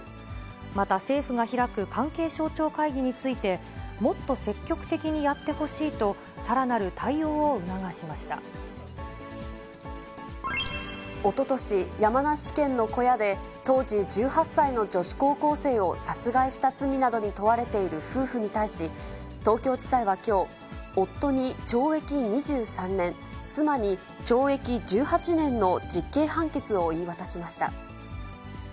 また、政府が開く関係省庁会議について、もっと積極的にやってほしいと、おととし、山梨県の小屋で、当時１８歳の女子高校生を殺害した罪などに問われている夫婦に対し、東京地裁はきょう、夫に懲役２３年、妻に懲役１８年の実刑判決を言い渡しました。